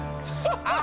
ああ！